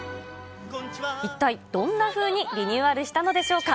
一体どんなふうにリニューアルしたんでしょうか。